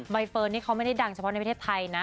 ใบเฟิร์นนี่เขาไม่ได้ดังเฉพาะในประเทศไทยนะ